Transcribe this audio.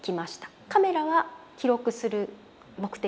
カメラは記録する目的だけです。